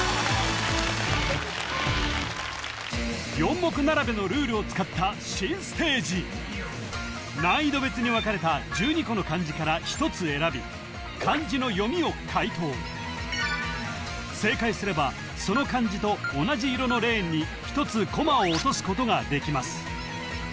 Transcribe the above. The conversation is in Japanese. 四目並べのルールを使った新ステージ難易度別に分かれた１２個の漢字から１つ選び漢字の読みを解答正解すればその漢字と同じ色のレーンに１つコマを落とすことができます